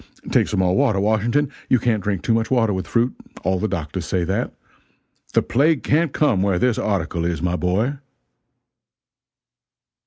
Take some more water, Washington you can't drink too much water with fruit all the doctors say that. The plague can't come where this article is, my boy!"